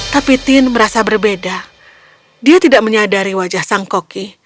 tapi tin merasa berbeda dia tidak menyadari wajah sang koki